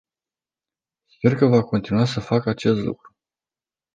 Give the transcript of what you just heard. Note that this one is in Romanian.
Sper că va continua să facă acest lucru.